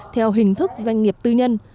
theo hình thức doanh nghiệp tư nhân